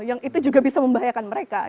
yang itu juga bisa membahayakan mereka